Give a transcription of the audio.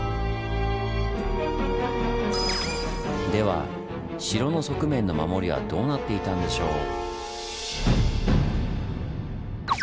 では城の側面の守りはどうなっていたんでしょう？